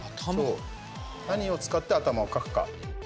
何を使って頭をかくか。